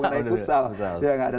ya nggak ada